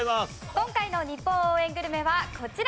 今回の日本応援グルメはこちら！